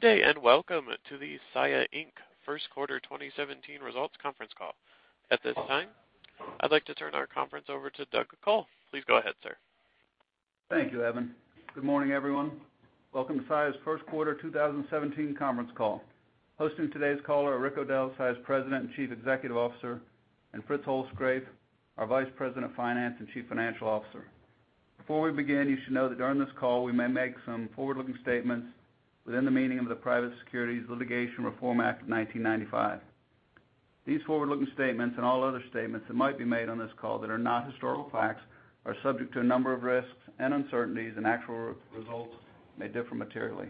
Good day, and welcome to the Saia, Inc. First Quarter 2017 Results Conference Call. At this time, I'd like to turn our conference over to Doug Col. Please go ahead, sir. Thank you, Evan. Good morning, everyone. Welcome to Saia's First Quarter 2017 Conference Call. Hosting today's call are Rick O'Dell, Saia's President and Chief Executive Officer, and Fritz Holzgrefe, our Vice President of Finance and Chief Financial Officer. Before we begin, you should know that during this call, we may make some forward-looking statements within the meaning of the Private Securities Litigation Reform Act of 1995. These forward-looking statements, and all other statements that might be made on this call that are not historical facts, are subject to a number of risks and uncertainties, and actual results may differ materially.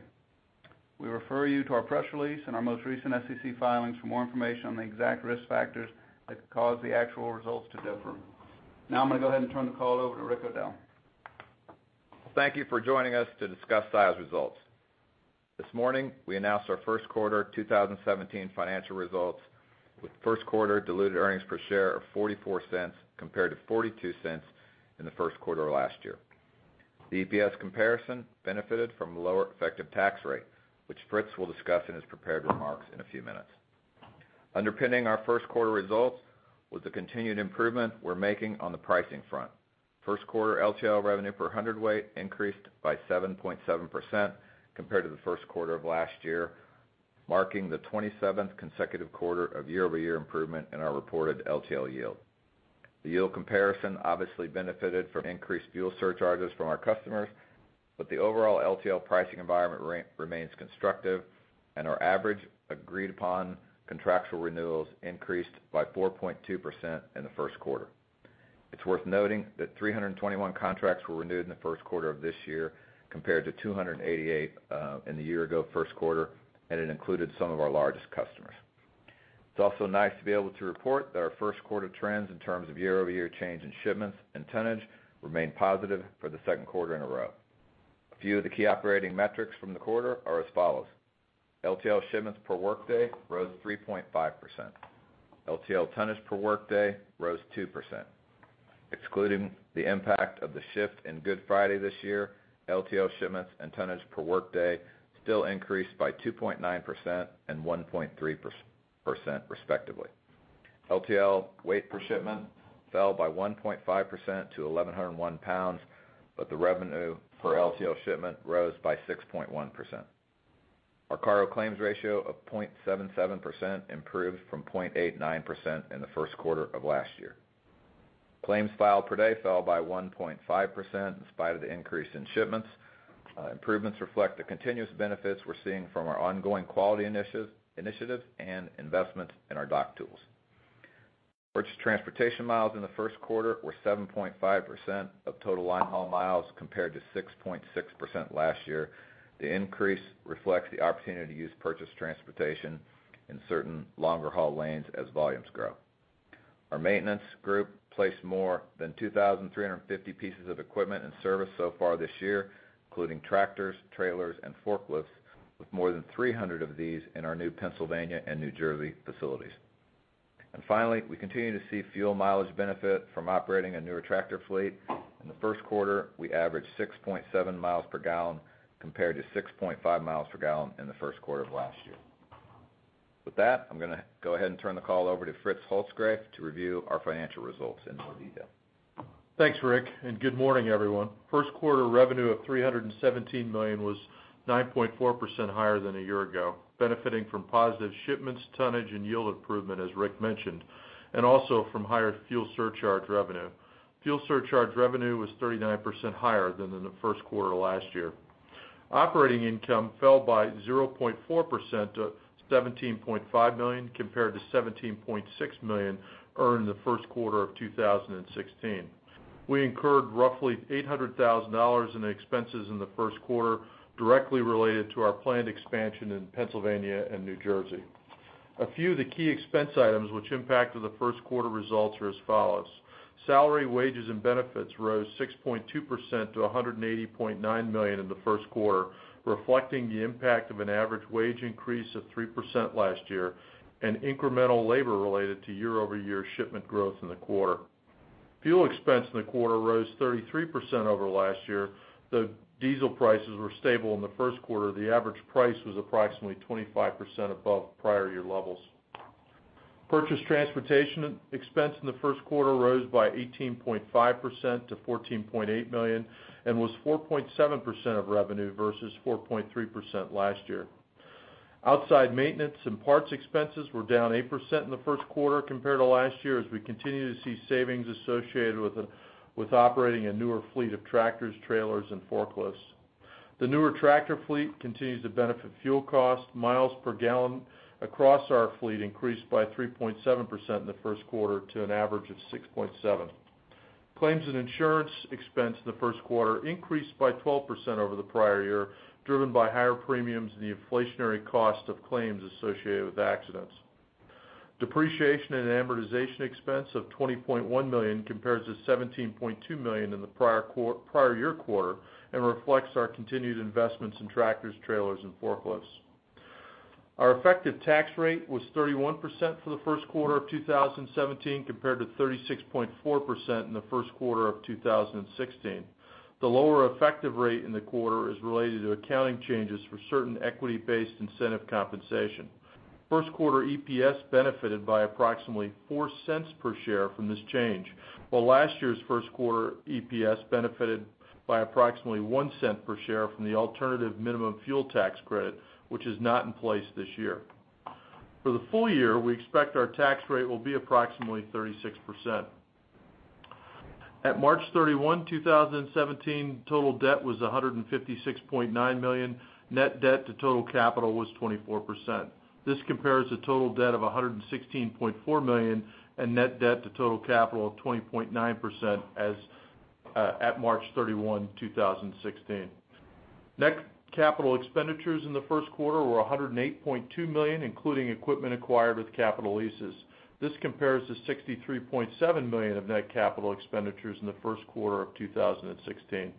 We refer you to our press release and our most recent SEC filings for more information on the exact risk factors that could cause the actual results to differ. Now, I'm gonna go ahead and turn the call over to Rick O'Dell. Thank you for joining us to discuss Saia's results. This morning, we announced our first quarter 2017 financial results, with first quarter diluted earnings per share of $0.44, compared to $0.42 in the first quarter of last year. The EPS comparison benefited from lower effective tax rate, which Fritz will discuss in his prepared remarks in a few minutes. Underpinning our first quarter results was the continued improvement we're making on the pricing front. First quarter LTL revenue per hundredweight increased by 7.7% compared to the first quarter of last year, marking the 27th consecutive quarter of year-over-year improvement in our reported LTL yield. The yield comparison obviously benefited from increased fuel surcharges from our customers, but the overall LTL pricing environment remains constructive, and our average agreed-upon contractual renewals increased by 4.2% in the first quarter. It's worth noting that 321 contracts were renewed in the first quarter of this year, compared to 288 in the year-ago first quarter, and it included some of our largest customers. It's also nice to be able to report that our first quarter trends, in terms of year-over-year change in shipments and tonnage, remain positive for the second quarter in a row. A few of the key operating metrics from the quarter are as follows: LTL shipments per workday rose 3.5%. LTL tonnage per workday rose 2%. Excluding the impact of the shift in Good Friday this year, LTL shipments and tonnage per workday still increased by 2.9% and 1.3%, respectively. LTL weight per shipment fell by 1.5% to 1,101 pounds, but the revenue per LTL shipment rose by 6.1%. Our cargo claims ratio of 0.77% improved from 0.89% in the first quarter of last year. Claims filed per day fell by 1.5% in spite of the increase in shipments. Improvements reflect the continuous benefits we're seeing from our ongoing quality initiative and investments in our dock tools. Purchased transportation miles in the first quarter were 7.5% of total linehaul miles, compared to 6.6% last year. The increase reflects the opportunity to use purchased transportation in certain longer-haul lanes as volumes grow. Our maintenance group placed more than 2,350 pieces of equipment in service so far this year, including tractors, trailers, and forklifts, with more than 300 of these in our new Pennsylvania and New Jersey facilities. Finally, we continue to see fuel mileage benefit from operating a newer tractor fleet. In the first quarter, we averaged 6.7 miles per gallon, compared to 6.5 miles per gallon in the first quarter of last year. With that, I'm gonna go ahead and turn the call over to Fritz Holzgrefe to review our financial results in more detail. Thanks, Rick, and good morning, everyone. First quarter revenue of $317 million was 9.4% higher than a year ago, benefiting from positive shipments, tonnage, and yield improvement, as Rick mentioned, and also from higher fuel surcharge revenue. Fuel surcharge revenue was 39% higher than in the first quarter last year. Operating income fell by 0.4% to $17.5 million, compared to $17.6 million earned in the first quarter of 2016. We incurred roughly $800,000 in expenses in the first quarter, directly related to our planned expansion in Pennsylvania and New Jersey. A few of the key expense items which impacted the first quarter results are as follows: Salary, wages, and benefits rose 6.2% to $180.9 million in the first quarter, reflecting the impact of an average wage increase of 3% last year and incremental labor related to year-over-year shipment growth in the quarter. Fuel expense in the quarter rose 33% over last year. The diesel prices were stable in the first quarter. The average price was approximately 25% above prior year levels. Purchased transportation expense in the first quarter rose by 18.5% to $14.8 million, and was 4.7% of revenue versus 4.3% last year. Outside maintenance and parts expenses were down 8% in the first quarter compared to last year, as we continue to see savings associated with operating a newer fleet of tractors, trailers, and forklifts. The newer tractor fleet continues to benefit fuel cost. Miles per gallon across our fleet increased by 3.7% in the first quarter to an average of 6.7. Claims and insurance expense in the first quarter increased by 12% over the prior year, driven by higher premiums and the inflationary cost of claims associated with accidents. Depreciation and amortization expense of $20.1 million compares to $17.2 million in the prior year quarter and reflects our continued investments in tractors, trailers, and forklifts. Our effective tax rate was 31% for the first quarter of 2017, compared to 36.4% in the first quarter of 2016. The lower effective rate in the quarter is related to accounting changes for certain equity-based incentive compensation. First quarter EPS benefited by approximately $0.04 per share from this change, while last year's first quarter EPS benefited by approximately $0.01 per share from the alternative minimum fuel tax credit, which is not in place this year. For the full year, we expect our tax rate will be approximately 36%. At March 31, 2017, total debt was $156.9 million. Net debt to total capital was 24%. This compares to total debt of $116.4 million, and net debt to total capital of 20.9% as at March 31, 2016. Net capital expenditures in the first quarter were $108.2 million, including equipment acquired with capital leases. This compares to $63.7 million of net capital expenditures in the first quarter of 2016.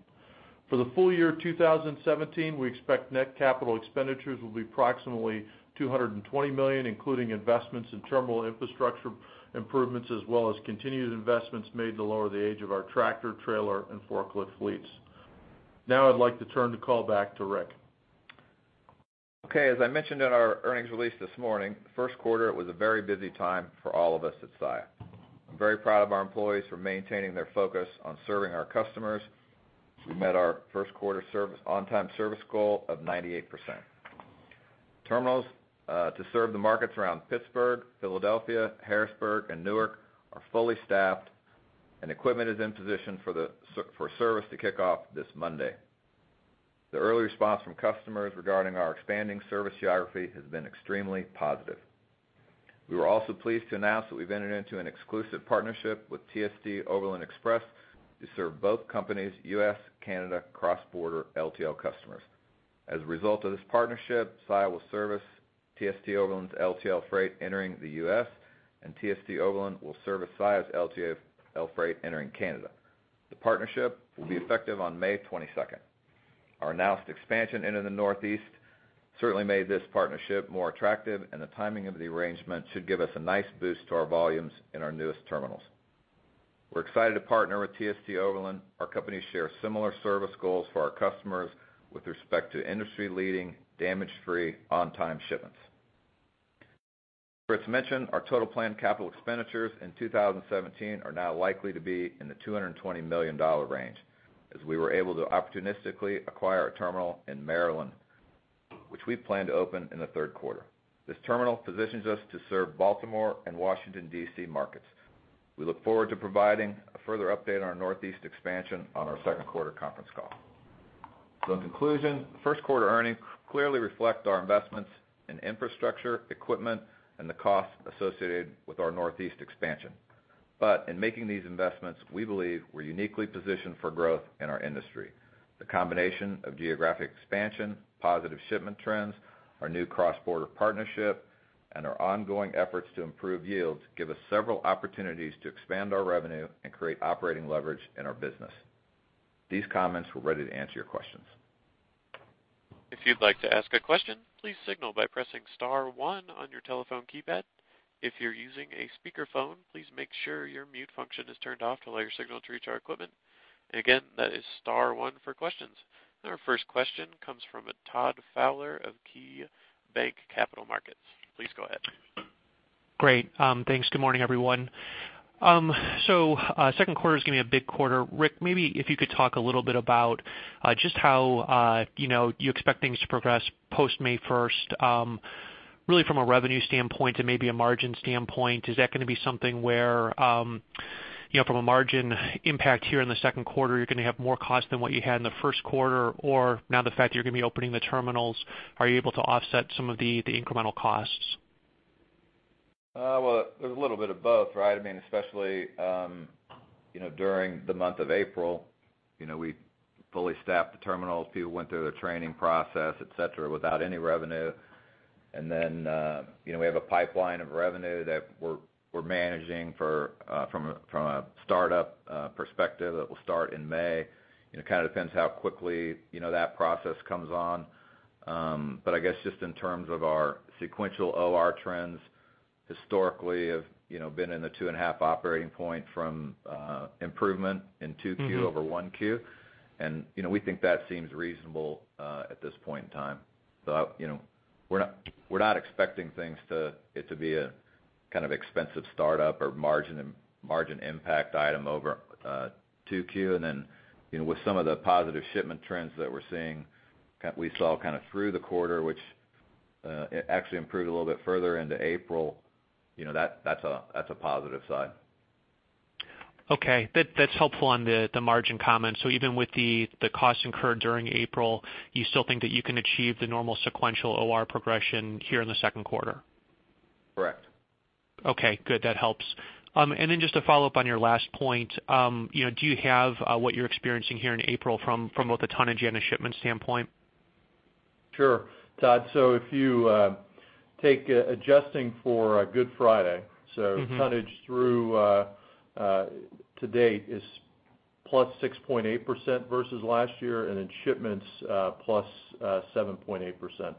For the full year of 2017, we expect net capital expenditures will be approximately $220 million, including investments in terminal infrastructure improvements, as well as continued investments made to lower the age of our tractor, trailer, and forklift fleets. Now I'd like to turn the call back to Rick. Okay, as I mentioned in our earnings release this morning, the first quarter was a very busy time for all of us at Saia. I'm very proud of our employees for maintaining their focus on serving our customers. We met our first quarter service, on-time service goal of 98%. Terminals to serve the markets around Pittsburgh, Philadelphia, Harrisburg, and Newark are fully staffed, and equipment is in position for service to kick off this Monday. The early response from customers regarding our expanding service geography has been extremely positive. We were also pleased to announce that we've entered into an exclusive partnership with TST Overland Express to serve both companies' U.S.-Canada cross-border LTL customers. As a result of this partnership, Saia will service TST Overland's LTL freight entering the U.S., and TST Overland will service Saia's LTL freight entering Canada. The partnership will be effective on May 22nd. Our announced expansion into the Northeast certainly made this partnership more attractive, and the timing of the arrangement should give us a nice boost to our volumes in our newest terminals. We're excited to partner with TST Overland. Our companies share similar service goals for our customers with respect to industry-leading, damage-free, on-time shipments. As mentioned, our total planned capital expenditures in 2017 are now likely to be in the $220 million range, as we were able to opportunistically acquire a terminal in Maryland, which we plan to open in the third quarter. This terminal positions us to serve Baltimore and Washington, D.C., markets. We look forward to providing a further update on our Northeast expansion on our second quarter conference call. In conclusion, first quarter earnings clearly reflect our investments in infrastructure, equipment, and the costs associated with our Northeast expansion. But in making these investments, we believe we're uniquely positioned for growth in our industry. The combination of geographic expansion, positive shipment trends, our new cross-border partnership, and our ongoing efforts to improve yields give us several opportunities to expand our revenue and create operating leverage in our business. These comments, we're ready to answer your questions. If you'd like to ask a question, please signal by pressing star one on your telephone keypad. If you're using a speakerphone, please make sure your mute function is turned off to allow your signal to reach our equipment. Again, that is star one for questions. Our first question comes from Todd Fowler of KeyBanc Capital Markets. Please go ahead. Great. Thanks. Good morning, everyone. So, second quarter is gonna be a big quarter. Rick, maybe if you could talk a little bit about just how, you know, you expect things to progress post May first, really from a revenue standpoint to maybe a margin standpoint. Is that gonna be something where, you know, from a margin impact here in the second quarter, you're gonna have more costs than what you had in the first quarter? Or now the fact that you're gonna be opening the terminals, are you able to offset some of the incremental costs? Well, there's a little bit of both, right? I mean, especially, you know, during the month of April, you know, we fully staffed the terminals. People went through the training process, et cetera, without any revenue. And then, you know, we have a pipeline of revenue that we're managing for, from a startup perspective, that will start in May. It kind of depends how quickly, you know, that process comes on. But I guess, just in terms of our sequential OR trends, historically have, you know, been in the 2.5 operating point from improvement in 2Q- Mm-hmm. over 1Q. And, you know, we think that seems reasonable at this point in time. So, you know, we're not, we're not expecting things to it to be a kind of expensive startup or margin and margin impact item over 2Q. And then, you know, with some of the positive shipment trends that we're seeing, we saw kind of through the quarter, which it actually improved a little bit further into April, you know, that's, that's a, that's a positive side. Okay. That's helpful on the margin comments. So even with the costs incurred during April, you still think that you can achieve the normal sequential OR progression here in the second quarter? Correct. Okay, good. That helps. And then just to follow up on your last point, you know, do you have what you're experiencing here in April from both a tonnage and a shipment standpoint? Sure, Todd. So if you take adjusting for a Good Friday, so, tonnage through to date is plus 6.8% versus last year, and then shipments, plus, 7.8%.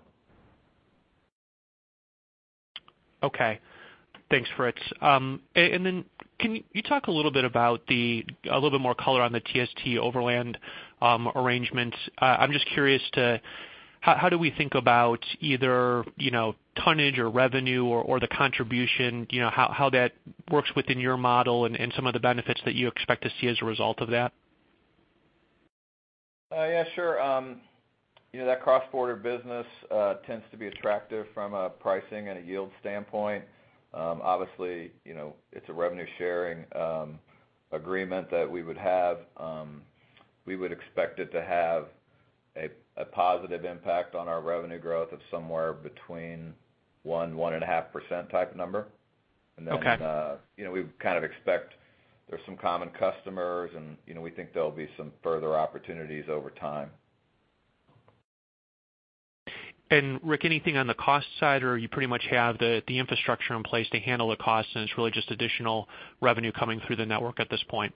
Okay. Thanks, Fritz. And then can you talk a little bit about the a little bit more color on the TST Overland arrangement? I'm just curious to how we think about either, you know, tonnage or revenue or the contribution, you know, how that works within your model and some of the benefits that you expect to see as a result of that? Yeah, sure. You know, that cross-border business tends to be attractive from a pricing and a yield standpoint. Obviously, you know, it's a revenue-sharing agreement that we would have. We would expect it to have a positive impact on our revenue growth of somewhere between 1%-1.5% type number. Okay. And then, you know, we would kind of expect there's some common customers, and, you know, we think there'll be some further opportunities over time. Rick, anything on the cost side, or you pretty much have the infrastructure in place to handle the cost, and it's really just additional revenue coming through the network at this point?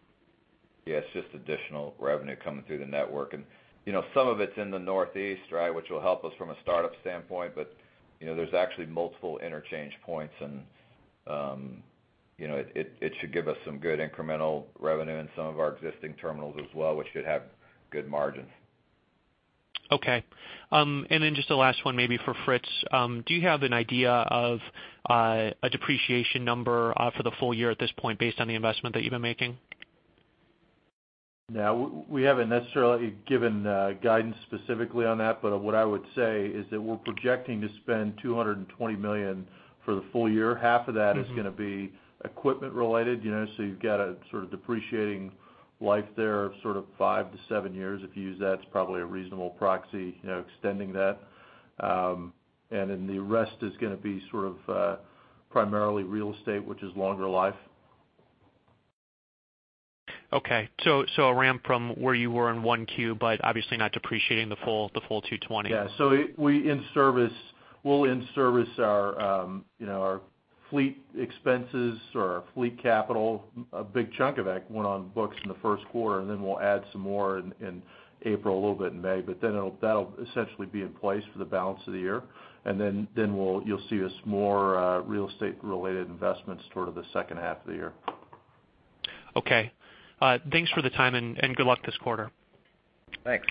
Yeah, it's just additional revenue coming through the network. And, you know, some of it's in the Northeast, right? Which will help us from a startup standpoint, but, you know, there's actually multiple interchange points, and, you know, it should give us some good incremental revenue in some of our existing terminals as well, which should have good margins. Okay. And then just the last one, maybe for Fritz. Do you have an idea of a depreciation number for the full year at this point, based on the investment that you've been making? Yeah, we haven't necessarily given guidance specifically on that, but what I would say is that we're projecting to spend $220 million for the full year. Mm-hmm. Half of that is gonna be equipment related, you know, so you've got a sort of depreciating life there of sort of 5-7 years. If you use that, it's probably a reasonable proxy, you know, extending that. And then the rest is gonna be sort of primarily real estate, which is longer life. Okay. So a ramp from where you were in 1Q, but obviously not depreciating the full $220. Yeah. So we'll in service our, you know, our fleet expenses or our fleet capital, a big chunk of that went on books in the first quarter, and then we'll add some more in April, a little bit in May, but then it'll essentially be in place for the balance of the year. And then we'll, you'll see us more real estate-related investments toward the second half of the year. Okay. Thanks for the time, and, and good luck this quarter. Thanks.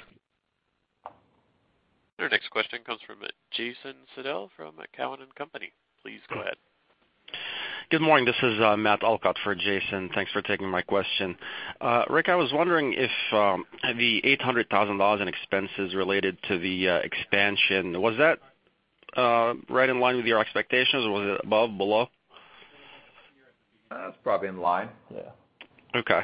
Our next question comes from Jason Seidel from Cowen and Company. Please go ahead. Good morning. This is Matt Elkott for Jason. Thanks for taking my question. Rick, I was wondering if the $800,000 in expenses related to the expansion was that right in line with your expectations, or was it above, below? It's probably in line, yeah. Okay.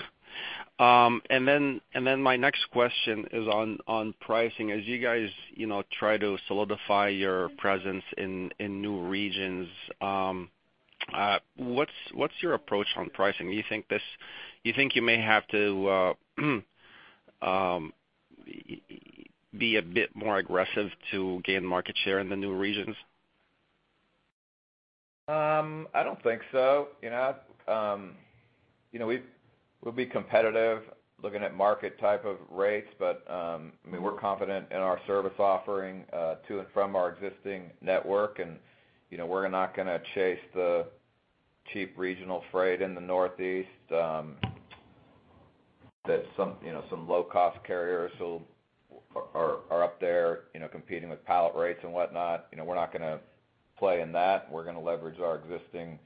And then my next question is on pricing. As you guys, you know, try to solidify your presence in new regions, what's your approach on pricing? Do you think you may have to be a bit more aggressive to gain market share in the new regions? I don't think so. You know, we'll be competitive, looking at market type of rates, but, I mean, we're confident in our service offering, to and from our existing network, and, you know, we're not gonna chase the cheap regional freight in the Northeast, that some, you know, some low-cost carriers are up there, you know, competing with pallet rates and whatnot. You know, we're not gonna play in that. We're gonna leverage our existing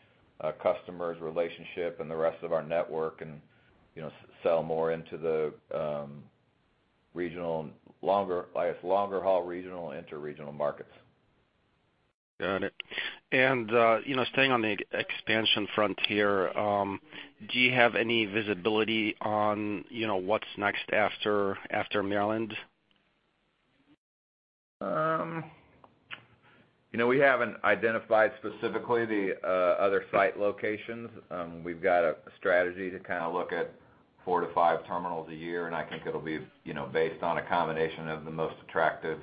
customers' relationship and the rest of our network and, you know, sell more into the regional, longer haul, regional, interregional markets. Got it. And, you know, staying on the expansion frontier, do you have any visibility on, you know, what's next after, after Maryland? You know, we haven't identified specifically the other site locations. We've got a strategy to kind of look at 4-5 terminals a year, and I think it'll be, you know, based on a combination of the most attractive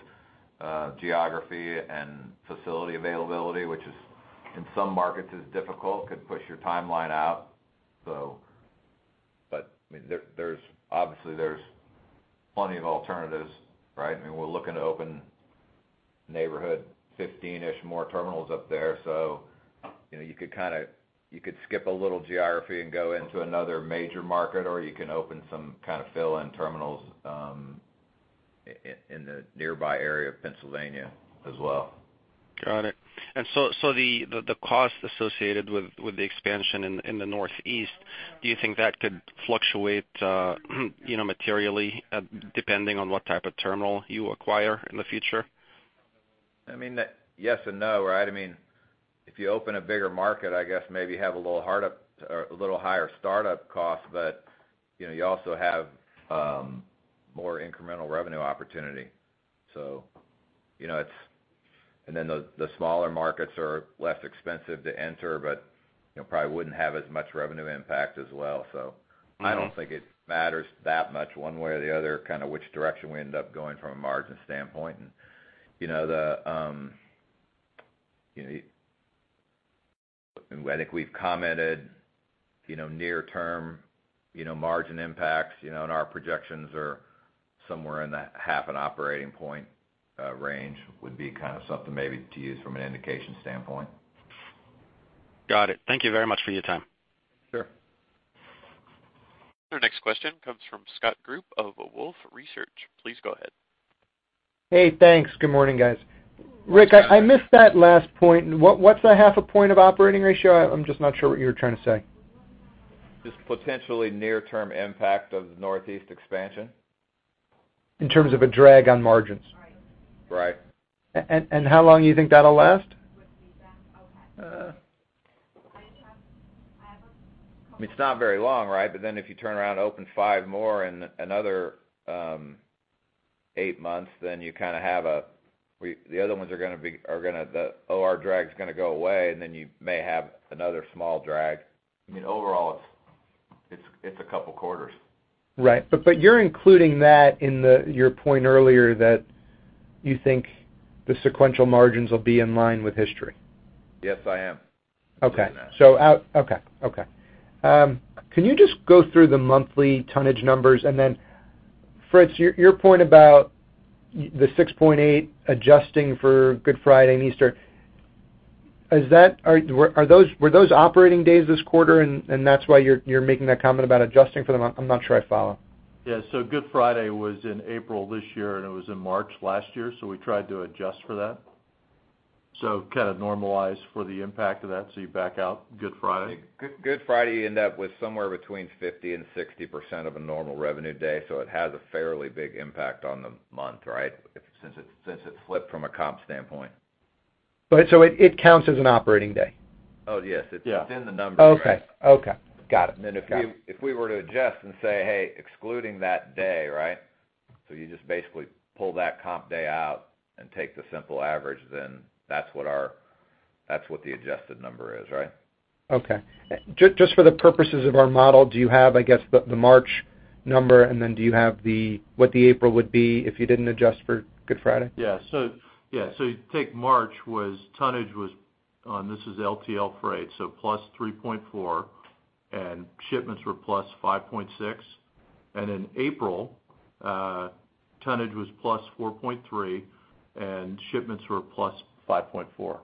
geography and facility availability, which, in some markets, is difficult, could push your timeline out, so. But, I mean, there's obviously there's plenty of alternatives, right? I mean, we're looking to open in the neighborhood of 15-ish more terminals up there. So, you know, you could kind of, you could skip a little geography and go into another major market, or you can open some kind of fill-in terminals in the nearby area of Pennsylvania as well. Got it. And so the cost associated with the expansion in the Northeast, do you think that could fluctuate, you know, materially, depending on what type of terminal you acquire in the future? I mean, yes and no, right? I mean, if you open a bigger market, I guess maybe you have a little hard up. A little higher startup cost, but, you know, you also have more incremental revenue opportunity. So, you know, it's and then the smaller markets are less expensive to enter, but, you know, probably wouldn't have as much revenue impact as well. Mm-hmm. So I don't think it matters that much one way or the other, kind of which direction we end up going from a margin standpoint. And I think we've commented, you know, near term, you know, margin impacts, you know, and our projections are somewhere in that 0.5 operating point range, would be kind of something maybe to use from an indication standpoint. Got it. Thank you very much for your time. Sure. Our next question comes from Scott Group of Wolfe Research. Please go ahead. Hey, thanks. Good morning, guys. Rick, I missed that last point. What's the 0.5 point of operating ratio? I'm just not sure what you were trying to say. Just potentially near-term impact of the Northeast expansion. In terms of a drag on margins? Right. How long do you think that'll last? It's not very long, right? But then if you turn around and open five more in another eight months, then you kind of have - the other ones are gonna be, the OR drag is gonna go away, and then you may have another small drag. I mean, overall, it's a couple quarters. Right. But, but you're including that in the, your point earlier, that you think the sequential margins will be in line with history? Yes, I am. Okay. Yeah. Can you just go through the monthly tonnage numbers? And then, Fritz, your point about the 6.8 adjusting for Good Friday and Easter, is that, were those operating days this quarter, and that's why you're making that comment about adjusting for them? I'm not sure I follow. Yeah, so Good Friday was in April this year, and it was in March last year, so we tried to adjust for that. So kind of normalize for the impact of that, so you back out Good Friday. Good Friday end up with somewhere between 50% and 60% of a normal revenue day, so it has a fairly big impact on the month, right? Since it flipped from a comp standpoint. But so it counts as an operating day? Oh, yes- Yeah - it's in the numbers. Okay, okay. Got it. Then if we were to adjust and say, hey, excluding that day, right? So you just basically pull that comp day out and take the simple average, then that's what the adjusted number is, right? Okay. Just for the purposes of our model, do you have, I guess, the March number, and then do you have what the April would be if you didn't adjust for Good Friday? Yeah. So, yeah, so you take March was, tonnage was, this is LTL freight, so +3.4, and shipments were +5.6. And in April, tonnage was +4.3, and shipments were +5.4.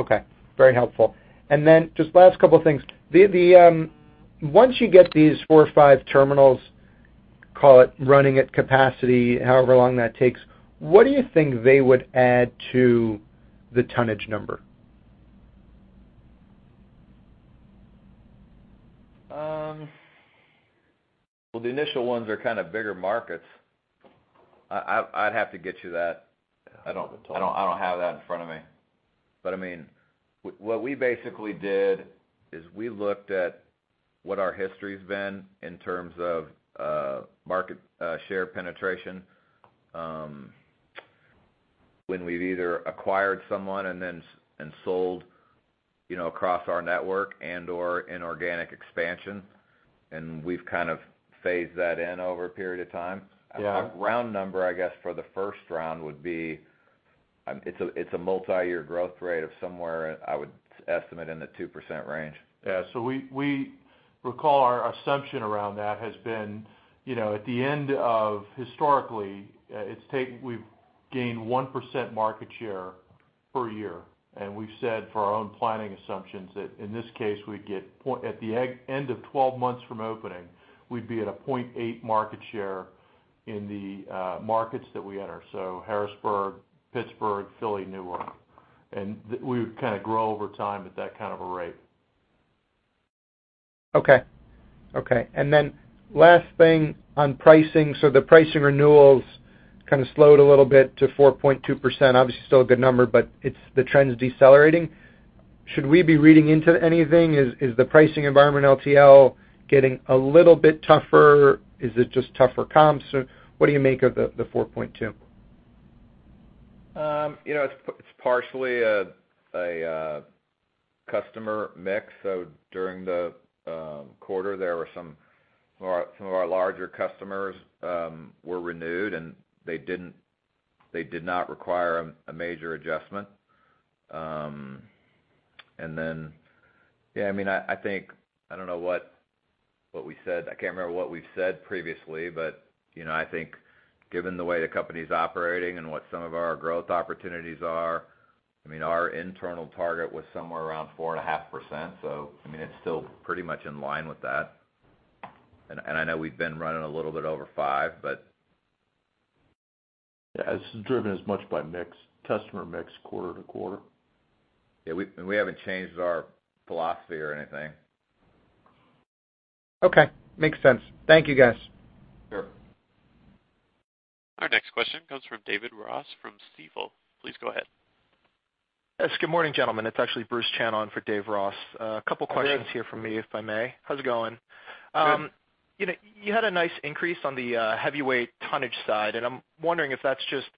Okay, very helpful. And then just last couple of things. Once you get these four or five terminals, call it, running at capacity, however long that takes, what do you think they would add to the tonnage number? Well, the initial ones are kind of bigger markets. I'd have to get you that. I don't have the total. I don't have that in front of me. But I mean, what we basically did is we looked at what our history's been in terms of market share penetration, when we've either acquired someone and then sold, you know, across our network and or inorganic expansion, and we've kind of phased that in over a period of time. Yeah. A round number, I guess, for the first round would be, it's a multi-year growth rate of somewhere, I would estimate, in the 2% range. Yeah, so recall, our assumption around that has been, you know, historically, we've gained 1% market share per year, and we've said for our own planning assumptions that in this case, we'd get, at the end of 12 months from opening, 0.8 market share in the markets that we enter. So Harrisburg, Pittsburgh, Philly, Newark, and then we would kind of grow over time at that kind of a rate. Okay. Okay, and then last thing on pricing. So the pricing renewals kind of slowed a little bit to 4.2%. Obviously, still a good number, but it's, the trend is decelerating. Should we be reading into anything? Is, is the pricing environment in LTL getting a little bit tougher? Is it just tougher comps? What do you make of the, the 4.2? You know, it's partially a customer mix. So during the quarter, there were some of our larger customers were renewed, and they didn't, they did not require a major adjustment. And then. Yeah, I mean, I think, I don't know what we said, I can't remember what we've said previously. But, you know, I think given the way the company is operating and what some of our growth opportunities are, I mean, our internal target was somewhere around 4.5%. So, I mean, it's still pretty much in line with that. And I know we've been running a little bit over 5%, but- Yeah, it's driven as much by mix, customer mix, quarter-to-quarter. Yeah, and we haven't changed our philosophy or anything. Okay, makes sense. Thank you, guys. Sure. Our next question comes from David Ross from Stifel. Please go ahead. Yes, good morning, gentlemen. It's actually Bruce Chan on for David Ross. Hey. A couple questions here from me, if I may. How's it going? Good. You know, you had a nice increase on the heavyweight tonnage side, and I'm wondering if that's just,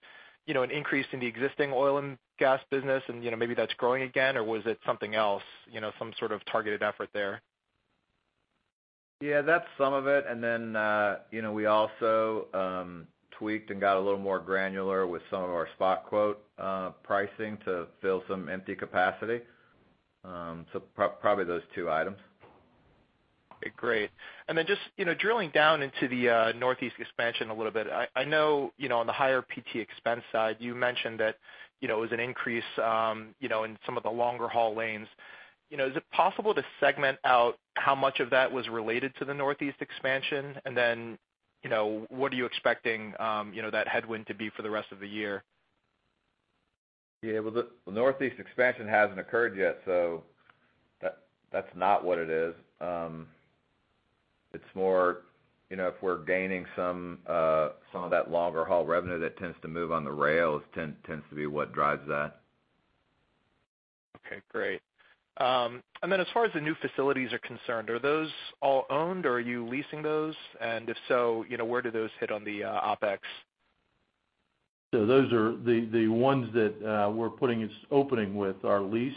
you know, an increase in the existing oil and gas business, and, you know, maybe that's growing again, or was it something else, you know, some sort of targeted effort there? Yeah, that's some of it, and then, you know, we also tweaked and got a little more granular with some of our spot quote pricing to fill some empty capacity. So probably those two items. Okay, great. And then just, you know, drilling down into the Northeast expansion a little bit, I know, you know, on the higher PT expense side, you mentioned that, you know, it was an increase, you know, in some of the longer haul lanes. You know, is it possible to segment out how much of that was related to the Northeast expansion? And then, you know, what are you expecting, you know, that headwind to be for the rest of the year? Yeah, well, the Northeast expansion hasn't occurred yet, so that, that's not what it is. It's more, you know, if we're gaining some of that longer-haul revenue that tends to move on the rails, tends to be what drives that. Okay, great. And then as far as the new facilities are concerned, are those all owned, or are you leasing those? And if so, you know, where do those hit on the OpEx? So those are the ones that we're opening with are leased.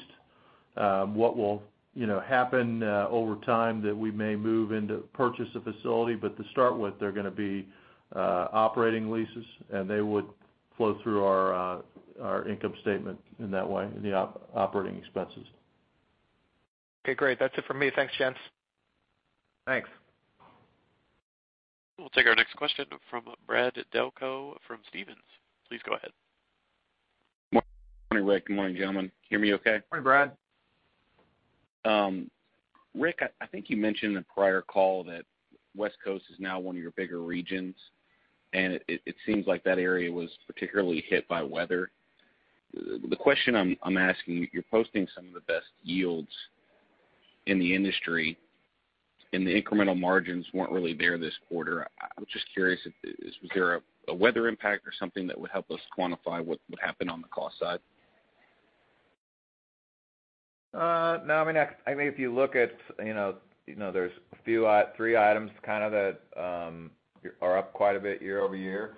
What will, you know, happen over time that we may move in to purchase a facility, but to start with, they're gonna be operating leases, and they would flow through our income statement in that way, in the operating expenses. Okay, great. That's it for me. Thanks, gents. Thanks. We'll take our next question from Brad Delco from Stephens. Please go ahead. Good morning, Rick. Good morning, gentlemen. Hear me okay? Morning, Brad. Rick, I think you mentioned in a prior call that West Coast is now one of your bigger regions, and it seems like that area was particularly hit by weather. The question I'm asking, you're posting some of the best yields in the industry, and the incremental margins weren't really there this quarter. I'm just curious, was there a weather impact or something that would help us quantify what happened on the cost side? No, I mean, I mean, if you look at, you know, you know, there's a few three items kind of that are up quite a bit year-over-year.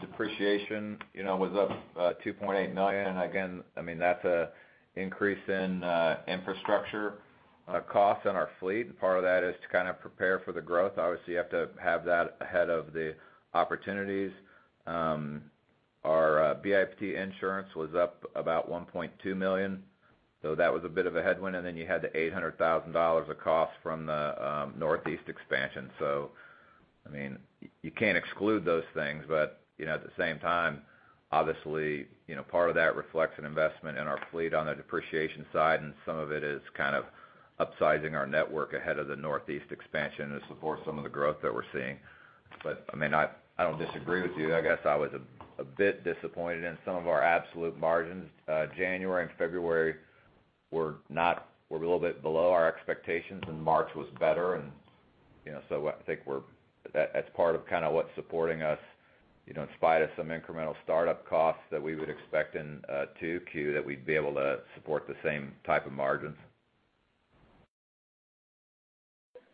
Depreciation, you know, was up, two point eight million. Again, I mean, that's a increase in infrastructure costs in our fleet. Part of that is to kind of prepare for the growth. Obviously, you have to have that ahead of the opportunities. Our BI/PD insurance was up about one point two million, so that was a bit of a headwind, and then you had the eight hundred thousand dollars of cost from the Northeast expansion. So, I mean, you can't exclude those things, but, you know, at the same time, obviously, you know, part of that reflects an investment in our fleet on the depreciation side, and some of it is kind of upsizing our network ahead of the Northeast expansion to support some of the growth that we're seeing. But, I mean, I don't disagree with you. I guess I was a bit disappointed in some of our absolute margins. January and February were not. were a little bit below our expectations, and March was better, and, you know, so I think we're, that's part of kind of what's supporting us, you know, in spite of some incremental startup costs that we would expect in 2Q, that we'd be able to support the same type of margins.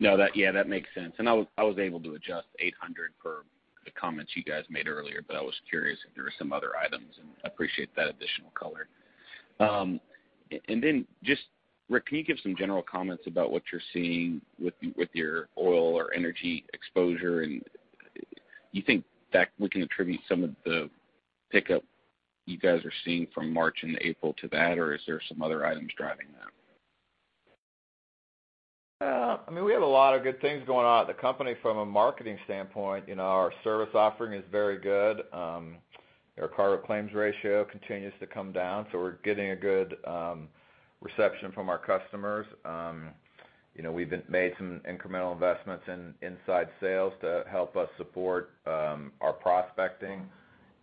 No, that, yeah, that makes sense. And I was able to adjust 800 per the comments you guys made earlier, but I was curious if there were some other items, and I appreciate that additional color. And then just, Rick, can you give some general comments about what you're seeing with your oil or energy exposure? And do you think that we can attribute some of the pickup you guys are seeing from March and April to that, or is there some other items driving that? I mean, we have a lot of good things going on at the company from a marketing standpoint. You know, our service offering is very good. Our cargo claims ratio continues to come down, so we're getting a good reception from our customers. You know, we've made some incremental investments in inside sales to help us support our prospecting.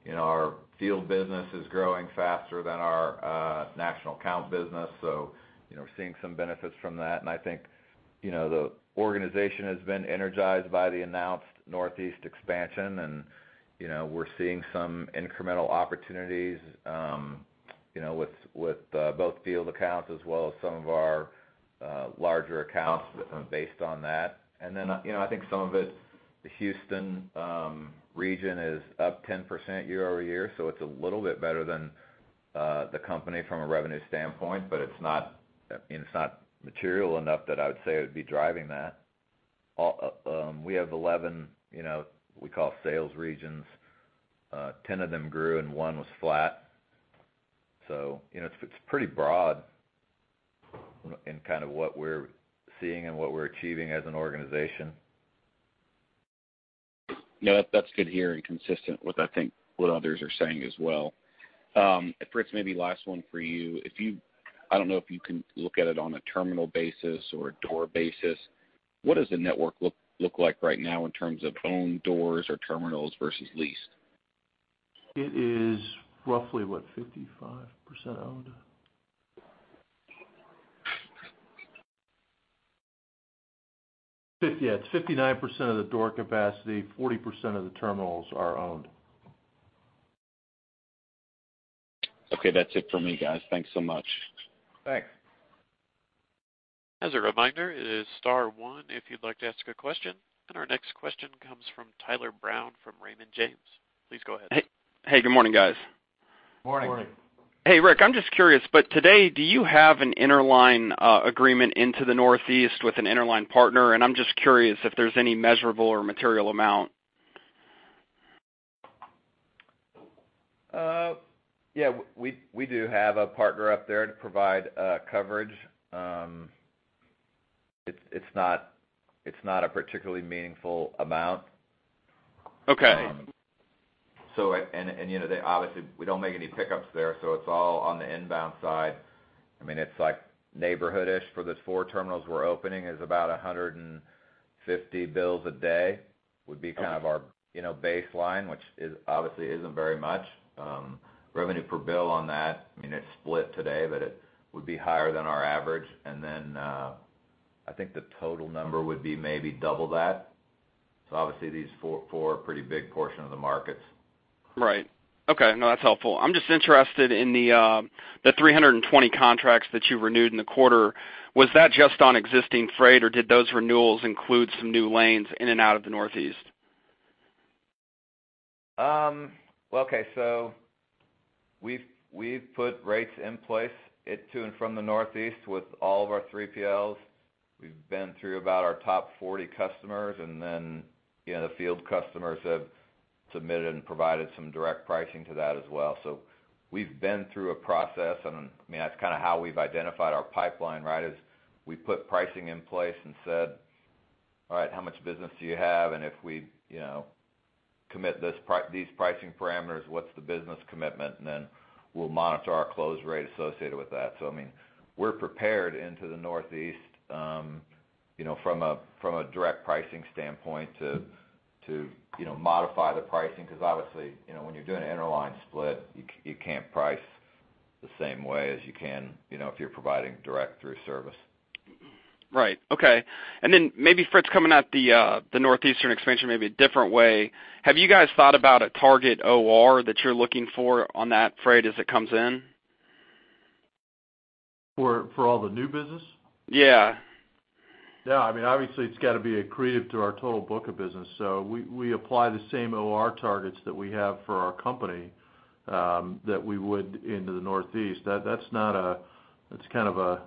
You know, our field business is growing faster than our national account business, so you know, we're seeing some benefits from that. And I think, you know, the organization has been energized by the announced Northeast expansion, and, you know, we're seeing some incremental opportunities, you know, with both field accounts as well as some of our larger accounts based on that. And then, you know, I think some of it, the Houston region is up 10% year-over-year, so it's a little bit better than the company from a revenue standpoint, but it's not, I mean, it's not material enough that I would say it would be driving that. All, we have 11, you know, we call sales regions. Ten of them grew, and one was flat. So you know, it's, it's pretty broad in kind of what we're seeing and what we're achieving as an organization. No, that's good to hear and consistent with, I think, what others are saying as well. Rick, maybe last one for you. If you. I don't know if you can look at it on a terminal basis or a door basis, what does the network look like right now in terms of owned doors or terminals versus leased? It is roughly, what, 55% owned? 50, yeah, it's 59% of the door capacity, 40% of the terminals are owned. Okay. That's it for me, guys. Thanks so much. Thanks. As a reminder, it is star one if you'd like to ask a question, and our next question comes from Tyler Brown, from Raymond James. Please go ahead. Hey, good morning, guys. Morning. Hey, Rick, I'm just curious, but today, do you have an interline agreement into the Northeast with an interline partner? And I'm just curious if there's any measurable or material amount? Yeah, we do have a partner up there to provide coverage. It's not a particularly meaningful amount. Okay. So, you know, they, obviously, we don't make any pickups there, so it's all on the inbound side. I mean, it's like neighborhood-ish for the four terminals we're opening is about $150 a day, would be- Okay Kind of our, you know, baseline, which is, obviously isn't very much. Revenue per bill on that, I mean, it's split today, but it would be higher than our average. And then, I think the total number would be maybe double that. So obviously, these four, four are a pretty big portion of the markets. Right. Okay. No, that's helpful. I'm just interested in the, the 320 contracts that you renewed in the quarter. Was that just on existing freight, or did those renewals include some new lanes in and out of the Northeast? Well, okay, so we've put rates in place to and from the Northeast with all of our 3PLs. We've been through about our top 40 customers, and then, you know, the field customers have submitted and provided some direct pricing to that as well. So we've been through a process, and I mean, that's kind of how we've identified our pipeline, right? Is we put pricing in place and said, "All right, how much business do you have? And if we, you know, commit these pricing parameters, what's the business commitment?" And then we'll monitor our close rate associated with that. So I mean, we're prepared into the Northeast, you know, from a direct pricing standpoint to modify the pricing. Because obviously, you know, when you're doing an interline split, you can't price the same way as you can, you know, if you're providing direct through service. Right. Okay. And then maybe Fritz, coming at the Northeastern expansion maybe a different way, have you guys thought about a target OR that you're looking for on that freight as it comes in? For all the new business? Yeah. Yeah, I mean, obviously, it's got to be accretive to our total book of business. So we apply the same OR targets that we have for our company that we would into the Northeast. That's not a. it's kind of a.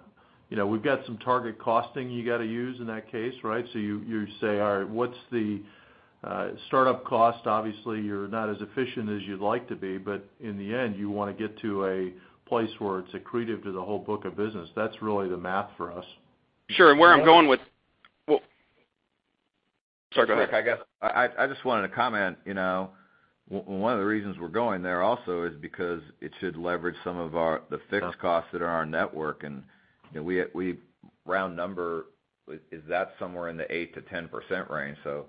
You know, we've got some target costing you got to use in that case, right? So you say, "All right, what's the start-up cost?" Obviously, you're not as efficient as you'd like to be, but in the end, you want to get to a place where it's accretive to the whole book of business. That's really the math for us. Sure. And where I'm going with- Well- Sorry, go ahead. I just wanted to comment, you know, one of the reasons we're going there also is because it should leverage some of our, the fixed costs- Sure That are our network. And, you know, we -- round number is that somewhere in the 8%-10% range. So,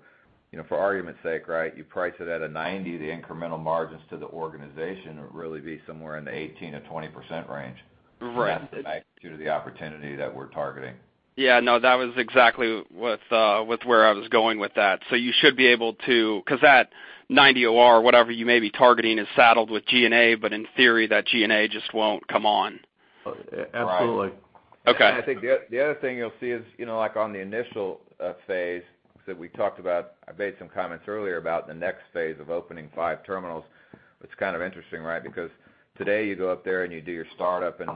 you know, for argument's sake, right, you price it at a 90, the incremental margins to the organization would really be somewhere in the 18%-20% range. Right. That's the magnitude of the opportunity that we're targeting. Yeah, no, that was exactly what with where I was going with that. So you should be able to. Because that 90 OR, whatever you may be targeting, is saddled with G&A, but in theory, that G&A just won't come on. Absolutely. Right. Okay. And I think the other thing you'll see is, you know, like on the initial phase that we talked about, I made some comments earlier about the next phase of opening 5 terminals. It's kind of interesting, right? Because today, you go up there and you do your startup, and,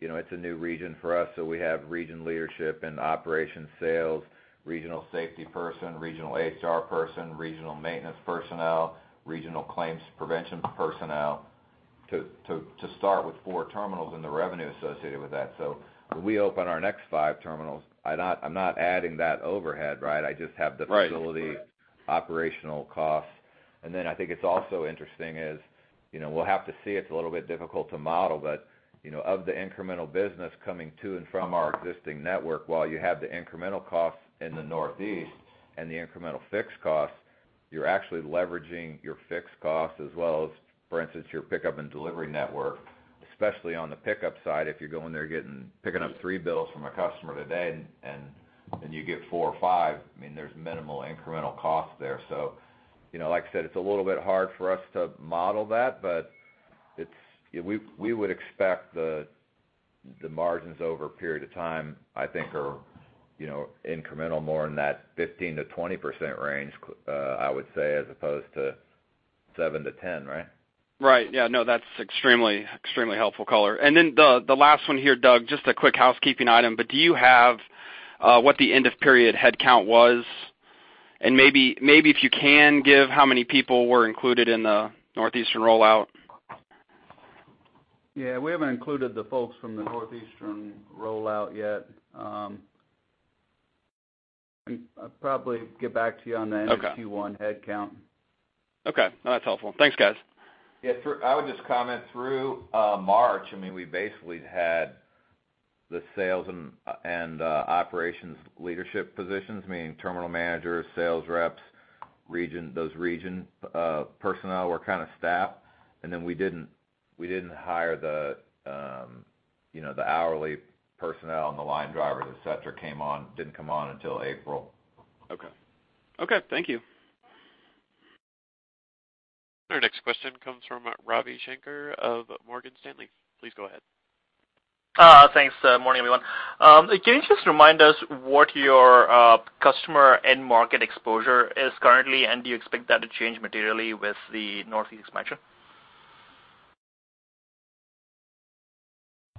you know, it's a new region for us, so we have region leadership and operations sales, regional safety person, regional HR person, regional maintenance personnel, regional claims prevention personnel, to start with 4 terminals and the revenue associated with that. So when we open our next 5 terminals, I'm not adding that overhead, right? I just have the- Right Facility operational costs. And then I think it's also interesting is, you know, we'll have to see. It's a little bit difficult to model, but, you know, of the incremental business coming to and from our existing network, while you have the incremental costs in the Northeast and the incremental fixed costs, you're actually leveraging your fixed costs as well as, for instance, your pickup and delivery network. Especially on the pickup side, if you're going there picking up three bills from a customer today, and you get four or five, I mean, there's minimal incremental cost there. So, you know, like I said, it's a little bit hard for us to model that, but it's. We would expect the margins over a period of time, I think are, you know, incremental more in that 15%-20% range, I would say, as opposed to 7%-10%, right? Right. Yeah, no, that's extremely, extremely helpful color. And then the last one here, Doug, just a quick housekeeping item, but do you have what the end of period headcount was? And maybe, if you can, give how many people were included in the Northeastern rollout. Yeah, we haven't included the folks from the Northeastern rollout yet. I'll probably get back to you on the end- Okay Of Q1 headcount. Okay. No, that's helpful. Thanks, guys. Yeah, I would just comment, through March, I mean, we basically had the sales and operations leadership positions, meaning terminal managers, sales reps, regional, those regional personnel were kind of staffed, and then we didn't hire the, you know, the hourly personnel and the line drivers, et cetera, came on, didn't come on until April. Okay. Okay, thank you. Our next question comes from, Ravi Shanker of Morgan Stanley. Please go ahead. Ah, thanks. Morning, everyone. Can you just remind us what your customer end market exposure is currently, and do you expect that to change materially with the Northeast expansion?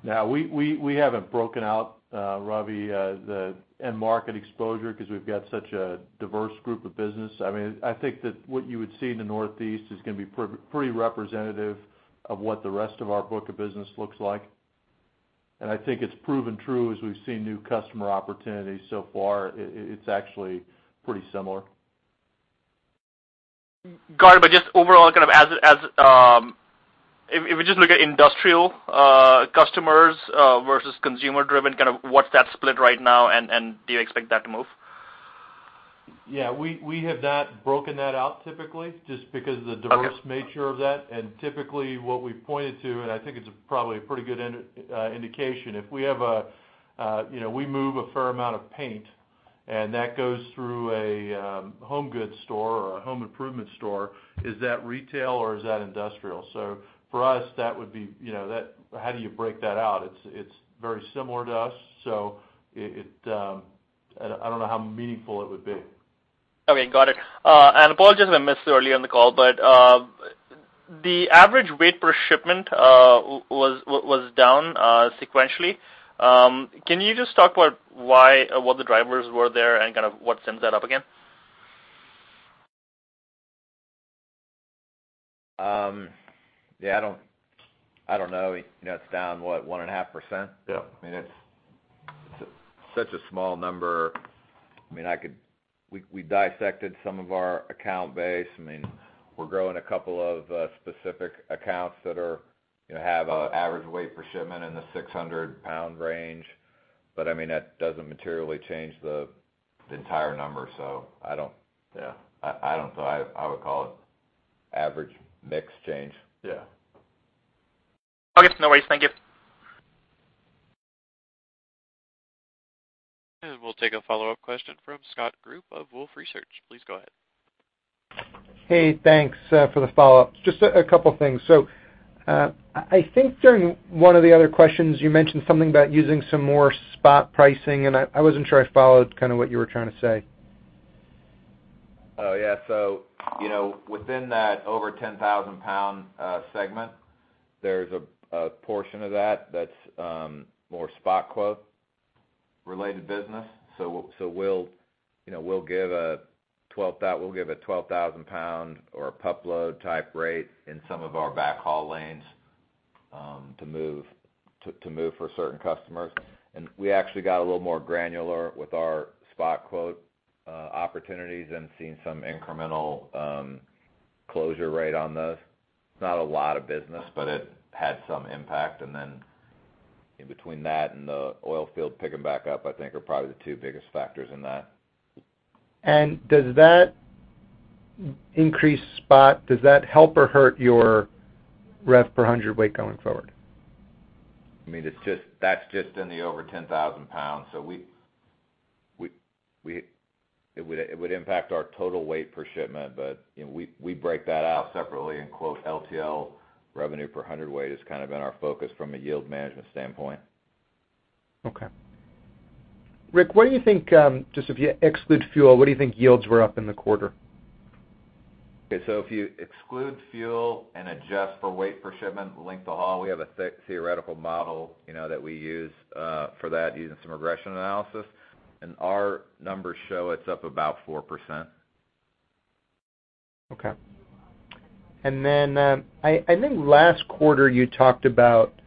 Yeah, we haven't broken out, Ravi, the end market exposure because we've got such a diverse group of business. I mean, I think that what you would see in the Northeast is gonna be pretty representative of what the rest of our book of business looks like. And I think it's proven true as we've seen new customer opportunities so far. It's actually pretty similar. Got it, but just overall, kind of, as if we just look at industrial customers versus consumer-driven, kind of, what's that split right now, and do you expect that to move? Yeah, we have not broken that out typically, just because of the- Okay Diverse nature of that. And typically, what we've pointed to, and I think it's probably a pretty good indication, if we have you know, we move a fair amount of paint, and that goes through a home goods store or a home improvement store, is that retail or is that industrial? So for us, that would be, you know, that, how do you break that out? It's very similar to us, so it, I don't know how meaningful it would be. Okay, got it. Apologies if I missed it earlier in the call, but the average weight per shipment was down sequentially. Can you just talk about why or what the drivers were there and kind of what sends that up again? Yeah, I don't know. You know, it's down, what, 1.5%? Yeah. I mean, it's such a small number. I mean, I could. We, we dissected some of our account base. I mean, we're growing a couple of specific accounts that are, you know, have an average weight per shipment in the 600-pound range. But, I mean, that doesn't materially change the entire number, so I don't- Yeah. So I would call it average mix change. Yeah. Okay. No worries. Thank you. We'll take a follow-up question from Scott Group of Wolfe Research. Please go ahead. Hey, thanks for the follow-up. Just a couple things. So, I think during one of the other questions, you mentioned something about using some more spot pricing, and I wasn't sure I followed kind of what you were trying to say. Oh, yeah. So, you know, within that over 10,000-pound segment, there's a portion of that that's more spot quote related business. So we'll, you know, we'll give a 12,000-pound or a pup load type rate in some of our backhaul lanes, to move for certain customers. And we actually got a little more granular with our spot quote opportunities and seen some incremental closure rate on those. It's not a lot of business, but it had some impact. And then in between that and the oil field picking back up, I think are probably the two biggest factors in that. Does that increase spot? Does that help or hurt your rev per hundredweight going forward? I mean, it's just. That's just in the over 10,000 pounds. So it would impact our total weight per shipment, but, you know, we break that out separately and our LTL revenue per hundredweight has kind of been our focus from a yield management standpoint. Okay. Rick, what do you think, just if you exclude fuel, what do you think yields were up in the quarter? Okay, so if you exclude fuel and adjust for weight per shipment, length of haul, we have a theoretical model, you know, that we use for that using some regression analysis, and our numbers show it's up about 4%. Okay. Then, I think last quarter you talked about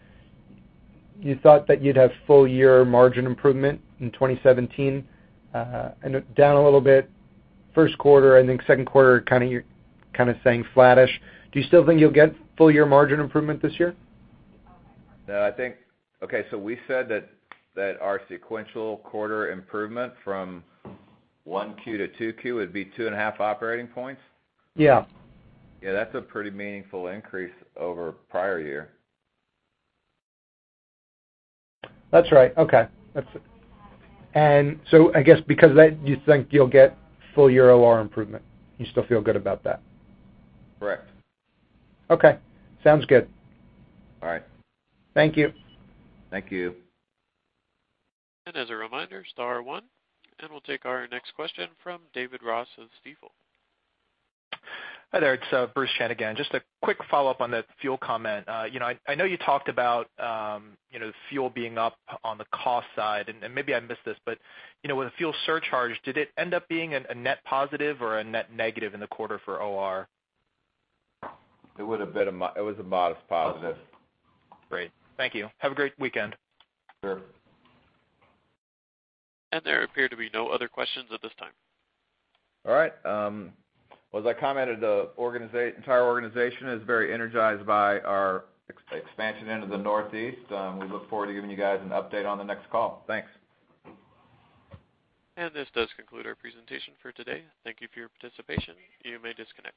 you thought that you'd have full year margin improvement in 2017, and down a little bit first quarter, and then second quarter, kind of, you're kind of saying flattish. Do you still think you'll get full year margin improvement this year? I think. Okay, so we said that, that our sequential quarter improvement from 1Q to 2Q would be 2.5 operating points. Yeah. Yeah, that's a pretty meaningful increase over prior year. That's right. Okay. And so I guess because that, you think you'll get full year OR improvement, you still feel good about that? Correct. Okay. Sounds good. All right. Thank you. Thank you. As a reminder, star one, and we'll take our next question from David Ross of Stifel. Hi there, it's Bruce Chan again. Just a quick follow-up on that fuel comment. You know, I know you talked about you know, fuel being up on the cost side, and maybe I missed this, but you know, with the fuel surcharge, did it end up being a net positive or a net negative in the quarter for OR? It was a modest positive. Great. Thank you. Have a great weekend. Sure. There appear to be no other questions at this time. All right, well, as I commented, the entire organization is very energized by our expansion into the Northeast. We look forward to giving you guys an update on the next call. Thanks. This does conclude our presentation for today. Thank you for your participation. You may disconnect.